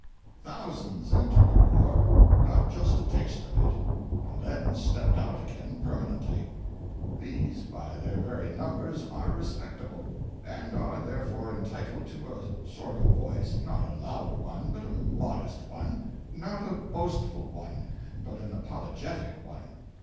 Thousands entered the war, got just a taste of it, and then stepped out again, permanently. These, by their very numbers, are respectable, and are therefore entitled to a sort of voice not a loud one, but a modest one; not a boastful one, but an apologetic one.